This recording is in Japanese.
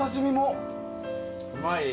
・うまい？